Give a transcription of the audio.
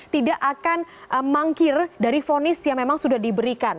tidak akan mangkir dari fonis yang memang sudah diberikan